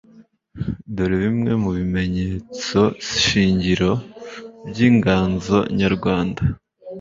dore bimwe mu bimenyetsoshingiroby'inganzo nyarwanda